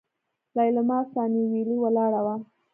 ليلما سانيولې ولاړه وه.